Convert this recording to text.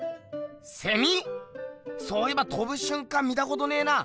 セミ⁉そういえばとぶしゅんかん見たことねえな。